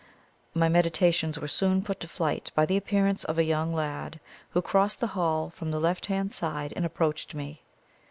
My meditations were soon put to flight by the appearance of a young lad, who crossed the hall from the left hand side and approached me.